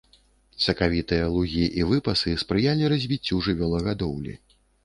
Сакавітыя лугі і выпасы спрыялі развіццю жывёлагадоўлі.